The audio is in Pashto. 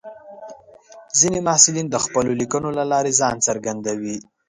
ځینې محصلین د خپلو لیکنو له لارې ځان څرګندوي.